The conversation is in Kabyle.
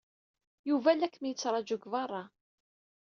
Yuba la kem-yettṛaju deg beṛṛa.